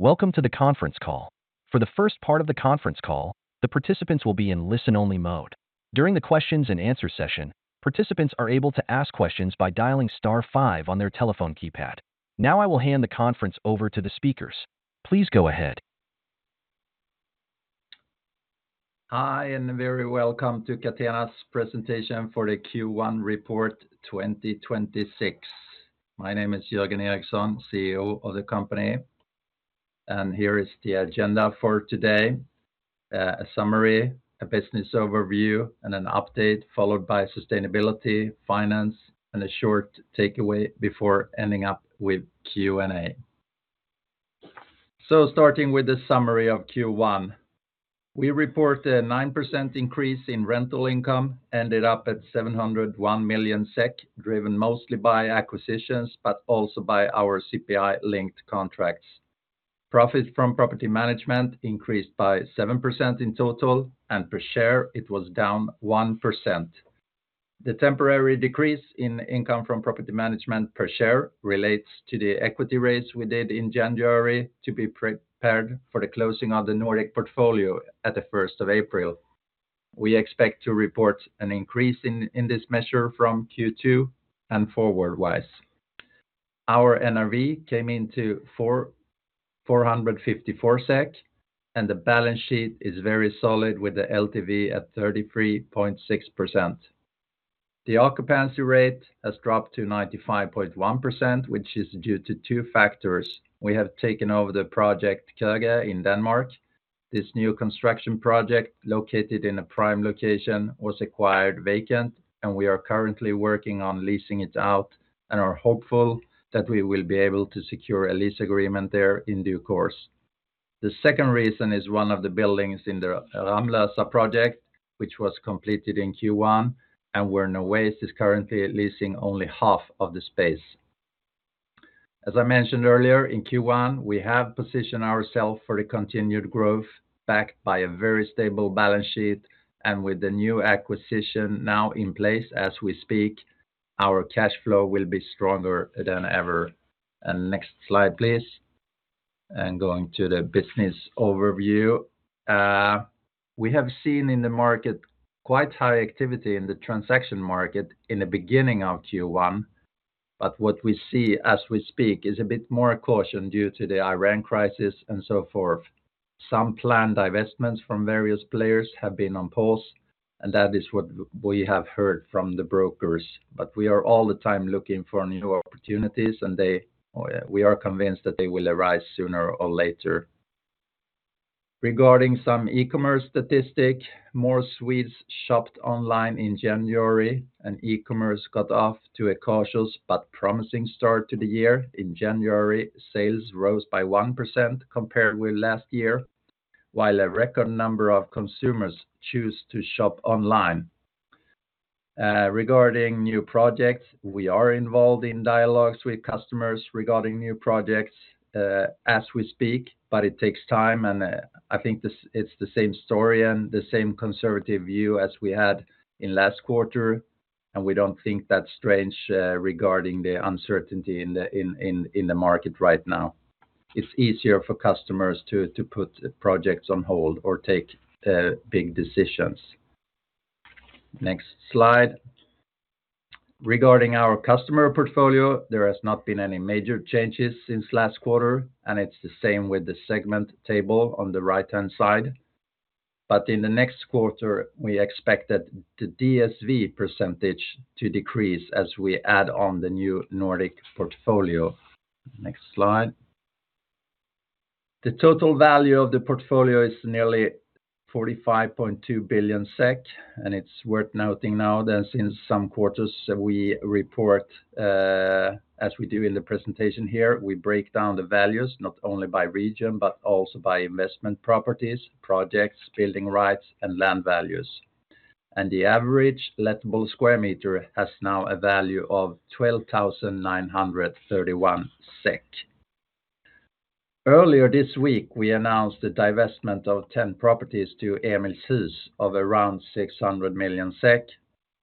Welcome to the conference call. For the first part of the conference call, the participants will be in listen-only mode. During the questions and answer session, participants are able to ask questions by dialing star five on their telephone keypad. Now I will hand the conference over to the speakers. Please go ahead. Hi, very welcome to Catena's presentation for the Q1 report 2026. My name is Jörgen Eriksson, CEO of the company. Here is the agenda for today, a summary, a business overview, and an update followed by sustainability, finance, and a short takeaway before ending up with Q&A. Starting with the summary of Q1. We report a 9% increase in rental income, ended up at 701 million SEK, driven mostly by acquisitions, but also by our CPI-linked contracts. Profits from property management increased by 7% in total, and per share it was down 1%. The temporary decrease in income from property management per share relates to the equity raise we did in January to be prepared for the closing of the Nordic portfolio at the 1st of April. We expect to report an increase in this measure from Q2 and forward wise. Our NRV came in to 454 SEK, and the balance sheet is very solid, with the LTV at 33.6%. The occupancy rate has dropped to 95.1%, which is due to two factors. We have taken over the project Køge in Denmark. This new construction project, located in a prime location, was acquired vacant, and we are currently working on leasing it out and are hopeful that we will be able to secure a lease agreement there in due course. The second reason is one of the buildings in the Ramlösa project, which was completed in Q1 and where Nowaste is currently leasing only half of the space. As I mentioned earlier, in Q1, we have positioned ourself for the continued growth backed by a very stable balance sheet. With the new acquisition now in place as we speak, our cash flow will be stronger than ever. Next slide, please. Going to the business overview. We have seen in the market quite high activity in the transaction market in the beginning of Q1. What we see as we speak is a bit more caution due to the Iran crisis and so forth. Some planned divestments from various players have been on pause, and that is what we have heard from the brokers. We are all the time looking for new opportunities, and we are convinced that they will arise sooner or later. Regarding some e-commerce statistic, more Swedes shopped online in January, and e-commerce got off to a cautious but promising start to the year. In January, sales rose by 1% compared with last year, while a record number of consumers choose to shop online. Regarding new projects, we are involved in dialogues with customers regarding new projects as we speak, but it takes time, and I think it's the same story and the same conservative view as we had in last quarter, and we don't think that's strange regarding the uncertainty in the market right now. It's easier for customers to put projects on hold or take big decisions. Next slide. Regarding our customer portfolio, there has not been any major changes since last quarter, and it's the same with the segment table on the right-hand side. But in the next quarter, we expect that the DSV percentage to decrease as we add on the new Nordic portfolio. Next slide. The total value of the portfolio is nearly 45.2 billion SEK, and it's worth noting now that since some quarters we report, as we do in the presentation here, we break down the values not only by region but also by investment properties, projects, building rights, and land values. The average lettable square meter has now a value of 12,931 SEK. Earlier this week, we announced the divestment of 10 properties to Emilshus of around 600 million SEK,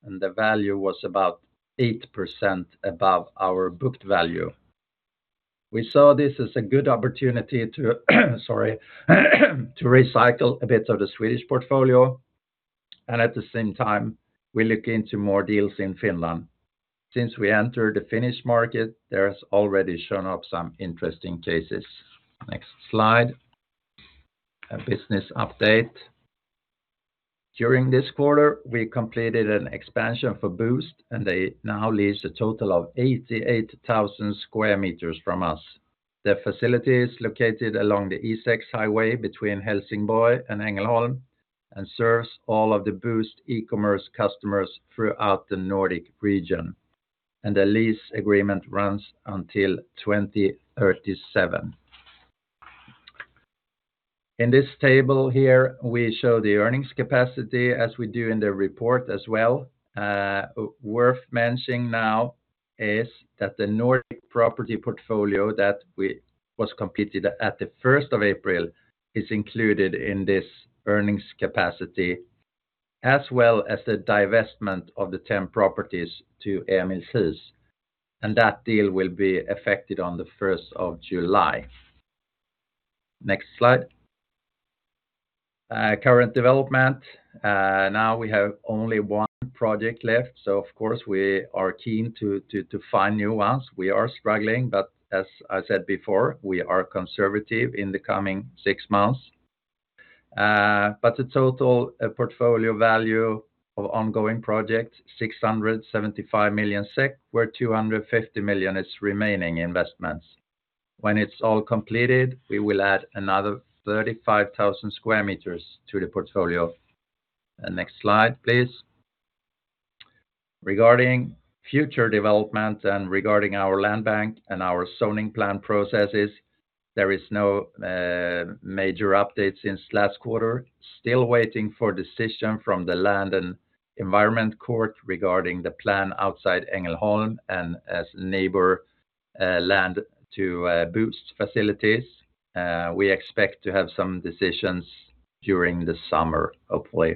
and the value was about 8% above our booked value. We saw this as a good opportunity to recycle a bit of the Swedish portfolio. At the same time, we look into more deals in Finland. Since we entered the Finnish market, there has already shown up some interesting cases. Next slide. A business update. During this quarter, we completed an expansion for Boozt, and they now lease a total of 88,000 sq m from us. Their facility is located along the E6 highway between Helsingborg and Ängelholm and serves all of the Boozt e-commerce customers throughout the Nordic region. The lease agreement runs until 2037. In this table here, we show the earnings capacity as we do in the report as well. Worth mentioning now is that the Nordic property portfolio that was completed at the 1st of April is included in this earnings capacity as well as the divestment of the 10 properties to Emilshus. That deal will be effective on the 1st of July. Next slide. Current development. Now we have only one project left, so of course we are keen to find new ones. We are struggling, but as I said before, we are conservative in the coming six months. The total portfolio value of ongoing projects, 675 million SEK, where 250 million is remaining investments. When it's all completed, we will add another 35,000sqm to the portfolio. Next slide, please. Regarding future development and regarding our land bank and our zoning plan processes, there is no major updates since last quarter. Still waiting for decision from the Land and Environment Court regarding the plan outside Ängelholm and as neighbor land to Boozt facilities. We expect to have some decisions during the summer, hopefully.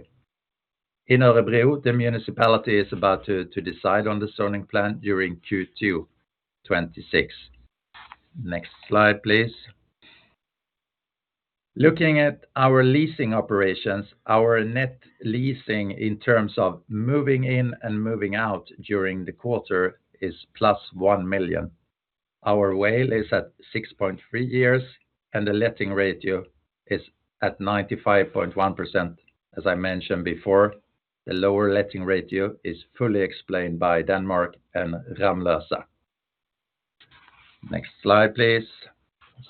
In Örebro, the municipality is about to decide on the zoning plan during Q2 2026. Next slide, please. Looking at our leasing operations, our net leasing in terms of moving in and moving out during the quarter is +1 million. Our WALE is at 6.3 years and the letting ratio is at 95.1%. As I mentioned before, the lower letting ratio is fully explained by Denmark and Ramlösa. Next slide, please.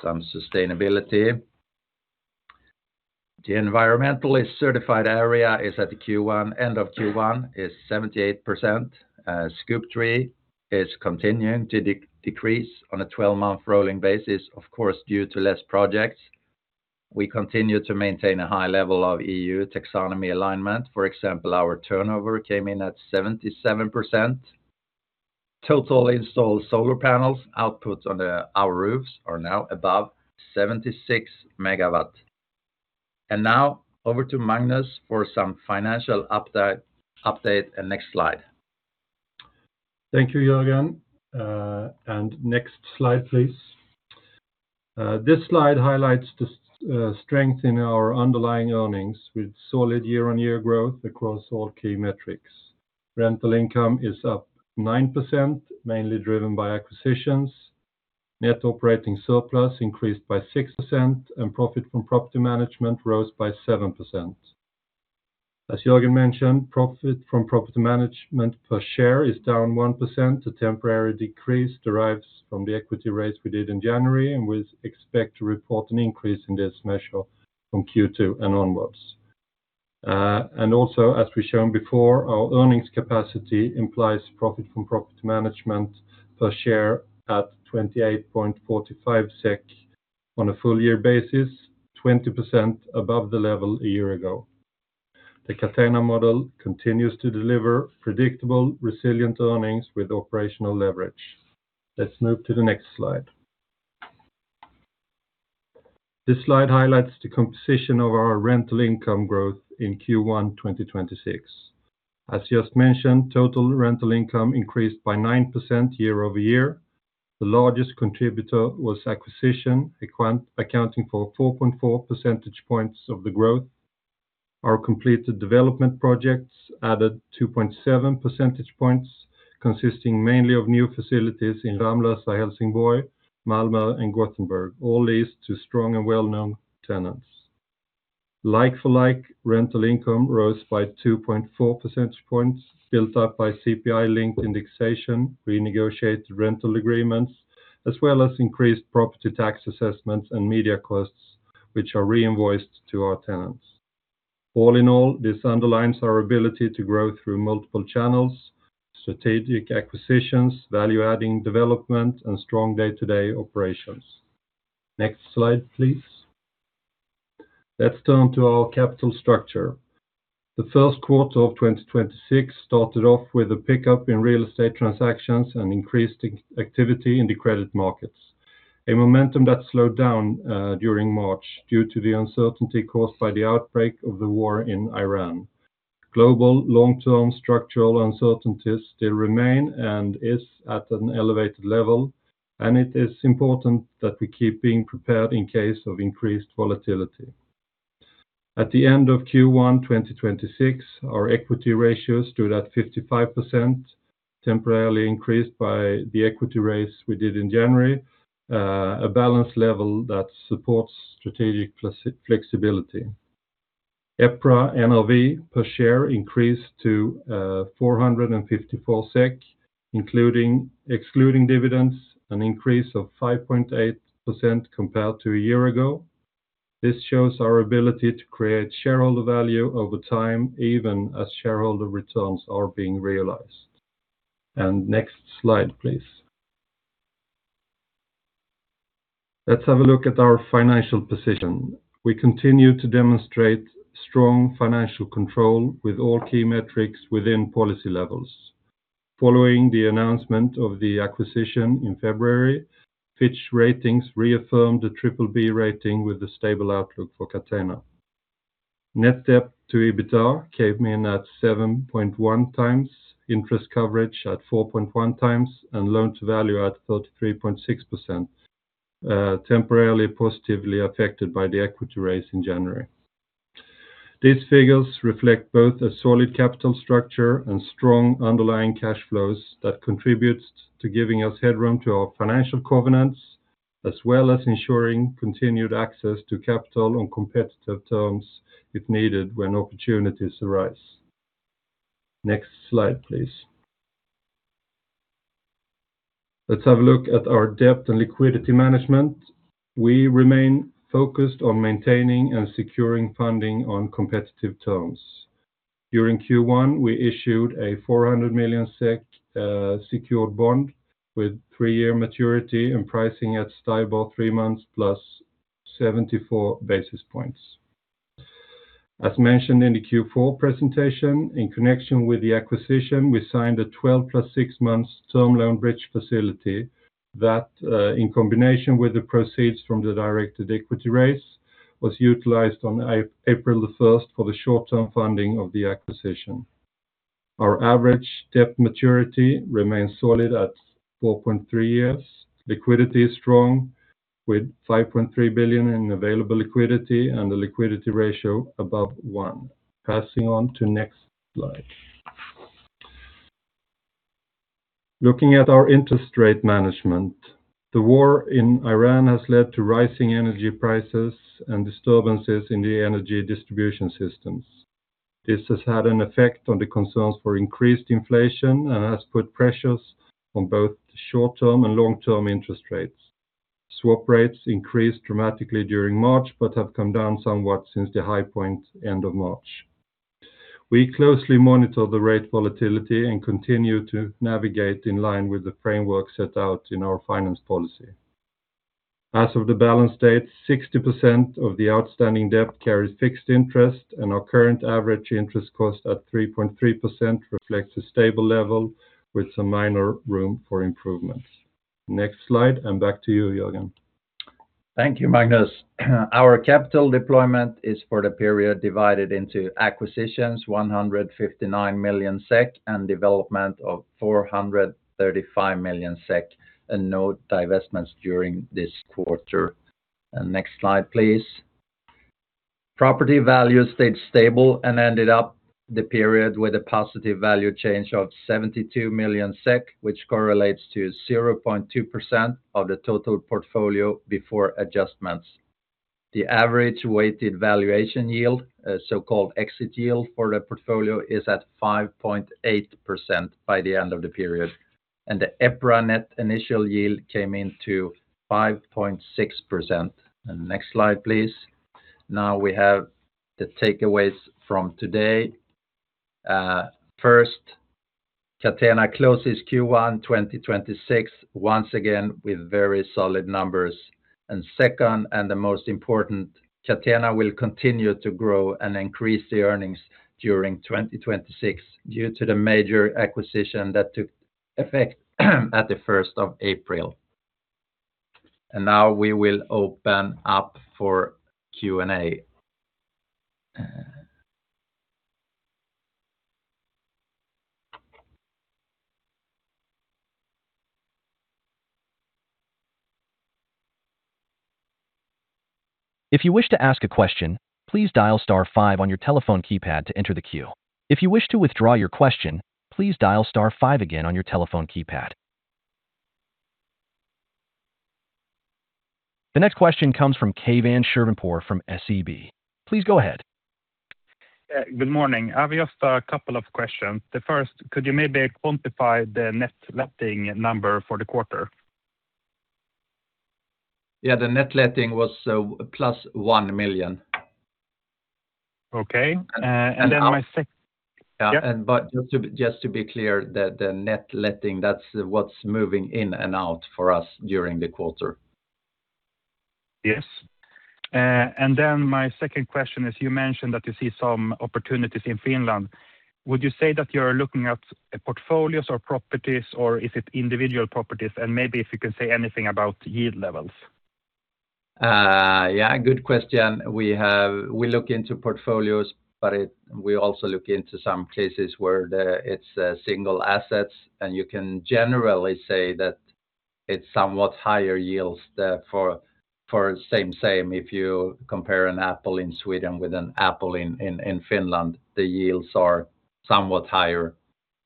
Some sustainability. The environmentally certified area at the end of Q1 is 78%. Scope 3 is continuing to decrease on a 12-month rolling basis, of course, due to less projects. We continue to maintain a high level of EU taxonomy alignment. For example, our turnover came in at 77%. Total installed solar panels output on our roofs are now above 76MW. Now over to Magnus for some financial update. Next slide. Thank you, Jörgen. Next slide, please. This slide highlights the strength in our underlying earnings with solid year-on-year growth across all key metrics. Rental income is up 9%, mainly driven by acquisitions. Net operating surplus increased by 6%, and profit from property management rose by 7%. As Jörgen mentioned, profit from property management per share is down 1%. The temporary decrease derives from the equity raise we did in January, and we expect to report an increase in this measure from Q2 and onwards. Also as we've shown before, our earnings capacity implies profit from property management per share at 28.45 SEK on a full year basis, 20% above the level a year ago. The Catena model continues to deliver predictable, resilient earnings with operational leverage. Let's move to the next slide. This slide highlights the composition of our rental income growth in Q1 2026. As just mentioned, total rental income increased by 9% year-over-year. The largest contributor was acquisition, accounting for 4.4 percentage points of the growth. Our completed development projects added 2.7 percentage points, consisting mainly of new facilities in Ramlösa, Helsingborg, Malmö, and Gothenburg, all leased to strong and well-known tenants. Like-for-like rental income rose by 2.4 percentage points, built up by CPI-linked indexation, renegotiated rental agreements, as well as increased property tax assessments and media costs, which are reinvoiced to our tenants. All in all, this underlines our ability to grow through multiple channels, strategic acquisitions, value-adding development, and strong day-to-day operations. Next slide, please. Let's turn to our capital structure. The first quarter of 2026 started off with a pickup in real estate transactions and increased activity in the credit markets, a momentum that slowed down during March due to the uncertainty caused by the outbreak of the war in Iran. Global long-term structural uncertainties still remain and is at an elevated level, and it is important that we keep being prepared in case of increased volatility. At the end of Q1 2026, our equity ratio stood at 55%, temporarily increased by the equity raise we did in January. A balance level that supports strategic flexibility. EPRA NRV per share increased to 454 SEK, including excluding dividends, an increase of 5.8% compared to a year ago. This shows our ability to create shareholder value over time, even as shareholder returns are being realized. Next slide, please. Let's have a look at our financial position. We continue to demonstrate strong financial control with all key metrics within policy levels. Following the announcement of the acquisition in February, Fitch Ratings reaffirmed the triple B rating with a stable outlook for Catena. Net debt to EBITDA came in at 7.1x, interest coverage at 4.1x, and loan-to-value at 33.6%, temporarily positively affected by the equity raise in January. These figures reflect both a solid capital structure and strong underlying cash flows that contributes to giving us headroom to our financial covenants, as well as ensuring continued access to capital on competitive terms if needed when opportunities arise. Next slide, please. Let's have a look at our debt and liquidity management. We remain focused on maintaining and securing funding on competitive terms. During Q1, we issued a 400 million SEK secured bond with three-year maturity and pricing at STIBOR three months plus 74 basis points. As mentioned in the Q4 presentation, in connection with the acquisition, we signed a 12 + 6 months term loan bridge facility that, in combination with the proceeds from the directed equity raise, was utilized on April 1st for the short-term funding of the acquisition. Our average debt maturity remains solid at 4.3 years. Liquidity is strong, with 5.3 billion in available liquidity and the liquidity ratio above one. Passing on to next slide. Looking at our interest rate management, the war in Ukraine has led to rising energy prices and disturbances in the energy distribution systems. This has had an effect on the concerns for increased inflation and has put pressures on both short-term and long-term interest rates. Swap rates increased dramatically during March, but have come down somewhat since the high point end of March. We closely monitor the rate volatility and continue to navigate in line with the framework set out in our finance policy. As of the balance date, 60% of the outstanding debt carries fixed interest, and our current average interest cost at 3.3% reflects a stable level with some minor room for improvements. Next slide, and back to you, Jörgen. Thank you, Magnus. Our capital deployment is for the period divided into acquisitions, 159 million SEK, and development of 435 million SEK, and no divestments during this quarter. Next slide, please. Property value stayed stable and at the end of the period with a positive value change of 72 million SEK, which correlates to 0.2% of the total portfolio before adjustments. The average weighted valuation yield, so-called exit yield for the portfolio, is at 5.8% by the end of the period, and the EPRA net initial yield came in at 5.6%. Next slide, please. Now we have the takeaways from today. First, Catena closes Q1 2026, once again with very solid numbers. Second, and the most important, Catena will continue to grow and increase the earnings during 2026 due to the major acquisition that took effect at the 1st of April. Now we will open up for Q&A. If you wish to ask a question, please dial star five on your telephone keypad to enter the queue. If you wish to withdraw your question, please dial star five again on your telephone keypad. The next question comes from Keivan Shirvanpour from SEB. Please go ahead. Good morning. I have just a couple of questions. The first, could you maybe quantify the net letting number for the quarter? Yeah, the net letting was +1 million. Okay. Yeah. Yeah. Just to be clear, the net letting, that's what's moving in and out for us during the quarter. Yes. My second question is, you mentioned that you see some opportunities in Finland. Would you say that you're looking at portfolios or properties, or is it individual properties? Maybe if you can say anything about yield levels? Yeah, good question. We look into portfolios, but we also look into some cases where it's single assets, and you can generally say that it's somewhat higher yields there for same if you compare an apple in Sweden with an apple in Finland. The yields are somewhat higher,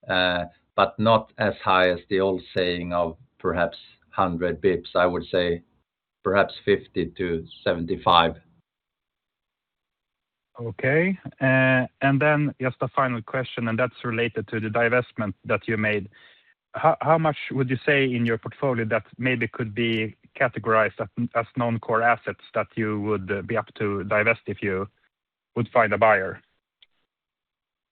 but not as high as the old saying of perhaps 100 basis points. I would say perhaps 50-75 basis points. Okay. Just a final question, and that's related to the divestment that you made. How much would you say in your portfolio that maybe could be categorized as non-core assets that you would be up to divest if you would find a buyer?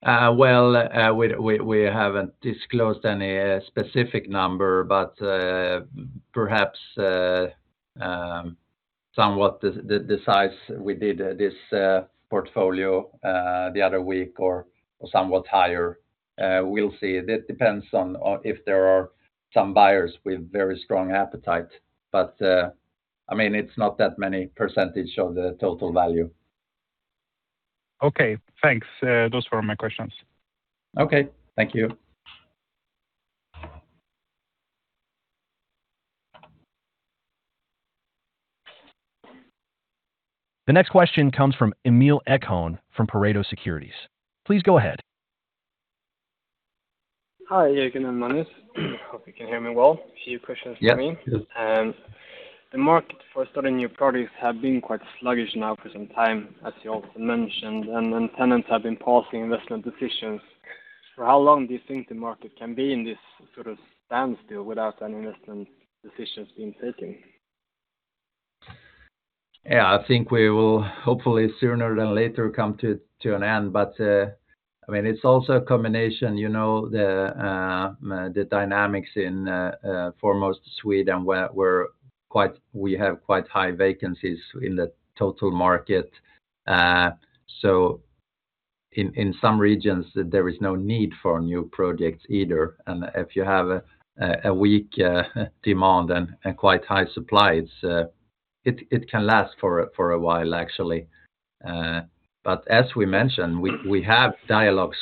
Well, we haven't disclosed any specific number, but perhaps somewhat the size we did this portfolio the other week, or somewhat higher. We'll see. That depends on if there are some buyers with very strong appetite. It's not that many percentage of the total value. Okay, thanks. Those were my questions. Okay, thank you. The next question comes from Emil Ekholm from Pareto Securities. Please go ahead. Hi, Jörgen and Magnus. Hope you can hear me well. A few questions from me. Yes. The market for starting new projects have been quite sluggish now for some time, as you also mentioned, and then tenants have been pausing investment decisions. For how long do you think the market can be in this sort of standstill without any investment decisions being taken? Yeah. I think we will, hopefully sooner than later, come to an end. It's also a combination, the dynamics in, foremost, Sweden, we have quite high vacancies in the total market. In some regions there is no need for new projects either. If you have a weak demand and quite high supply, it can last for a while actually. As we mentioned, we have dialogues.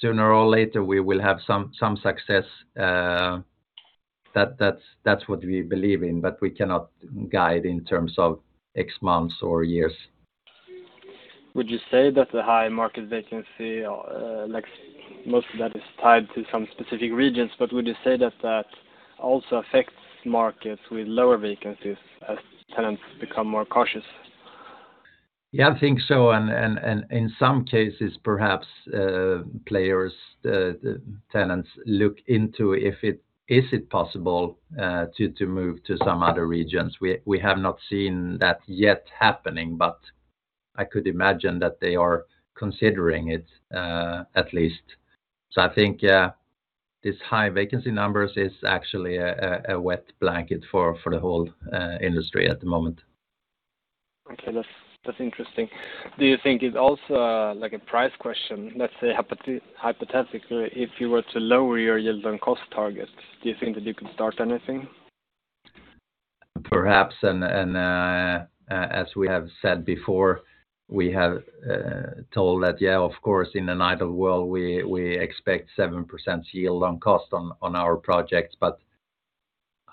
Sooner or later we will have some success. That's what we believe in. We cannot guide in terms of X months or years. Would you say that the high market vacancy, most of that is tied to some specific regions, but would you say that that also affects markets with lower vacancies as tenants become more cautious? Yeah, I think so. In some cases perhaps players, the tenants look into if it is possible to move to some other regions. We have not seen that yet happening, but I could imagine that they are considering it at least. I think these high vacancy numbers is actually a wet blanket for the whole industry at the moment. Okay. That's interesting. Do you think it's also like a price question, let's say hypothetically, if you were to lower your yield on cost targets, do you think that you could start anything? Perhaps, as we have said before, we have told that, yeah, of course, in an ideal world, we expect 7% yield on cost on our projects, but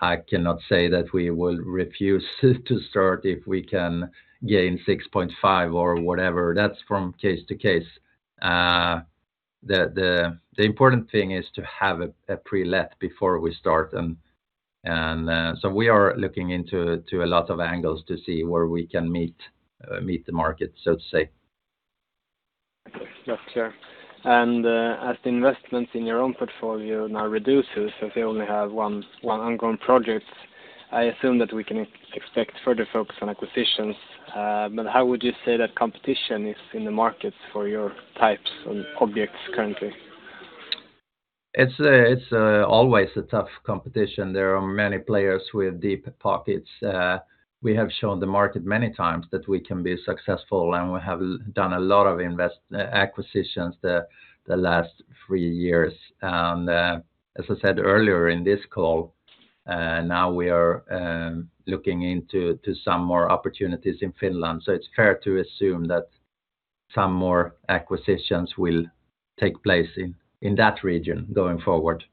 I cannot say that we will refuse to start if we can gain 6.5 or whatever. That's case by case. The important thing is to have a pre-let before we start. We are looking into a lot of angles to see where we can meet the market, so to speak. That's clear. As the investments in your own portfolio now reduces, so if you only have one ongoing project, I assume that we can expect further focus on acquisitions. How would you say that competition is in the market for your types and objects currently? It's always a tough competition. There are many players with deep pockets. We have shown the market many times that we can be successful, and we have done a lot of acquisitions the last three years. As I said earlier in this call, now we are looking into some more opportunities in Finland. It's fair to assume that some more acquisitions will take place in that region going forward.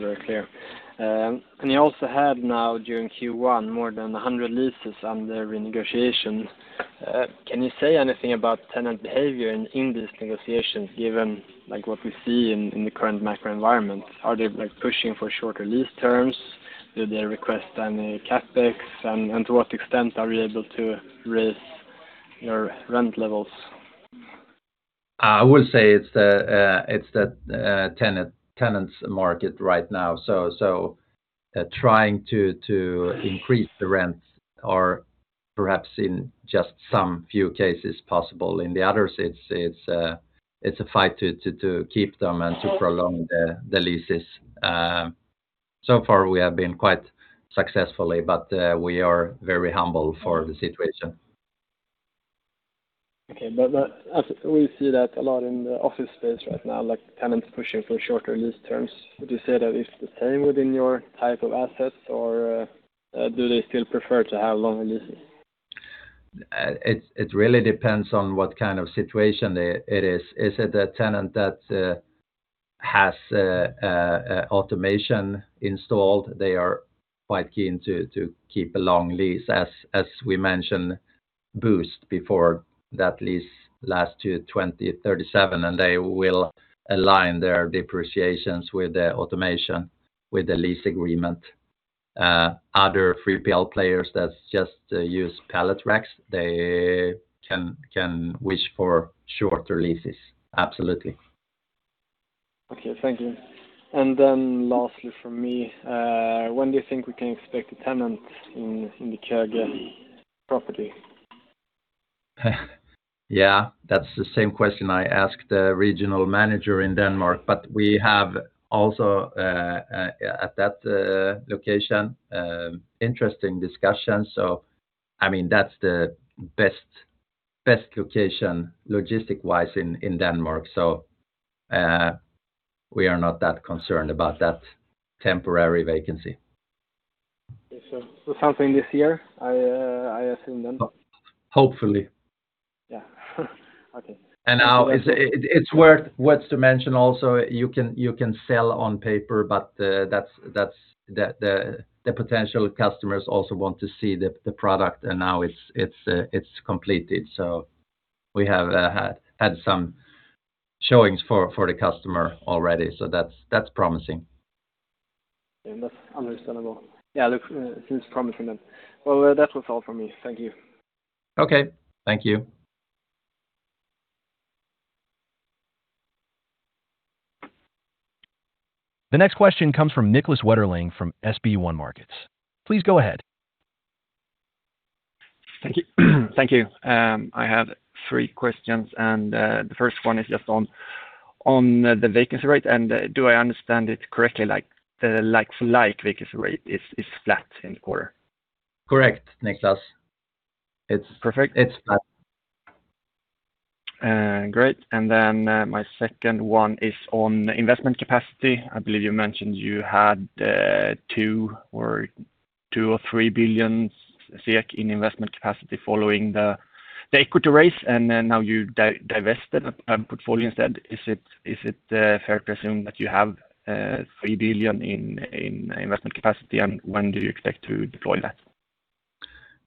Very clear. You also had now during Q1, more than 100 leases under renegotiation. Can you say anything about tenant behavior in these negotiations, given what we see in the current macro environment? Are they pushing for shorter lease terms? Do they request any CapEx? And to what extent are you able to raise your rent levels? I would say it's the tenant's market right now. Trying to increase the rents are perhaps in just some few cases possible. In the others, it's a fight to keep them and to prolong the leases. So far we have been quite successfully, but we are very humble for the situation. Okay. As we see that a lot in the office space right now, like tenants pushing for shorter lease terms, would you say that it's the same within your type of assets or do they still prefer to have longer leases? It really depends on what kind of situation it is. Is it a tenant that has automation installed? They are quite keen to keep a long lease, as we mentioned Boozt before that lease lasts to 2037, and they will align their depreciations with the automation, with the lease agreement. Other 3PL players that just use pallet racks, they can wish for shorter leases. Absolutely. Okay, thank you. Lastly from me, when do you think we can expect a tenant in the Køge property? Yeah, that's the same question I asked the regional manager in Denmark. We have also, at that location, interesting discussions. That's the best location logistics-wise in Denmark. We are not that concerned about that temporary vacancy. Something this year, I assume then? Hopefully. Yeah. Okay. It's worth to mention also, you can sell on paper, but the potential customers also want to see the product, and now it's completed. We have had some showings for the customer already, so that's promising. Yeah. That's understandable. Yeah, look, seems promising then. Well, that was all from me. Thank you. Okay. Thank you. The next question comes from Niklas Wetterling from SB1 Markets. Please go ahead. Thank you. I have three questions, and the first one is just on the vacancy rate, and do I understand it correctly, like-for-like vacancy rate is flat in the quarter? Correct, Niklas. Perfect. It's flat. Great. My second one is on investment capacity. I believe you mentioned you had 2 billion or 3 billion in investment capacity following the equity raise, and then now you divested a portfolio instead. Is it fair to assume that you have 3 billion in investment capacity? When do you expect to deploy that?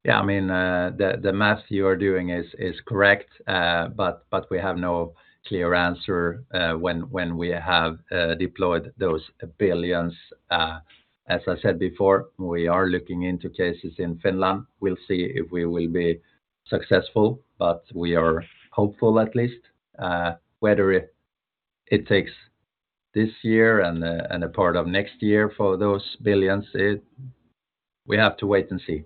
Yeah, the math you are doing is correct. We have no clear answer when we have deployed those billions. As I said before, we are looking into cases in Finland. We'll see if we will be successful, but we are hopeful at least. Whether it takes this year and a part of next year for those billions, we have to wait and see.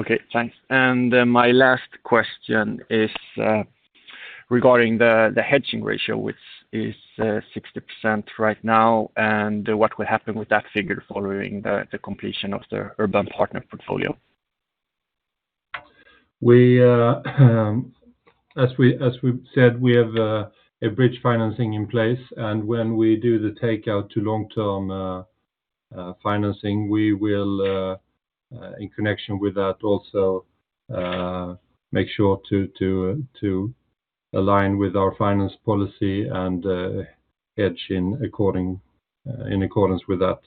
Okay, thanks. My last question is regarding the hedging ratio, which is 60% right now, and what will happen with that figure following the completion of the Urban Partners portfolio? As we said, we have a bridge financing in place, and when we do the takeout to long-term financing, we will, in connection with that, also make sure to align with our finance policy and hedge in accordance with that.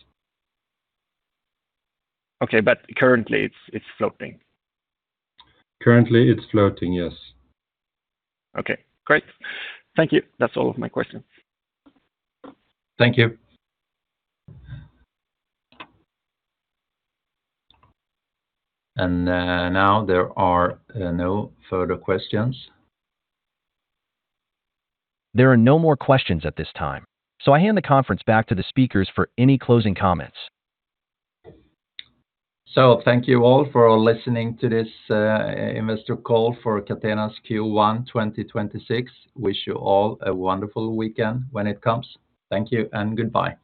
Okay. Currently it's floating? Currently it's floating, yes. Okay, great. Thank you. That's all of my questions. Thank you. Now there are no further questions. There are no more questions at this time, so I hand the conference back to the speakers for any closing comments. Thank you all for listening to this investor call for Catena's Q1 2026. Wish you all a wonderful weekend when it comes. Thank you and goodbye. Thank you.